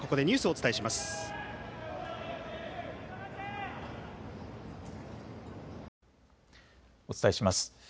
お伝えします。